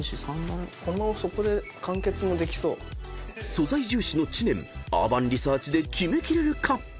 ［素材重視の知念アーバンリサーチでキメ切れるか？］